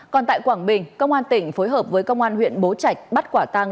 còn tại quảng bình công an tỉnh phối hợp với công an huyện bố trạch bắt quả tăng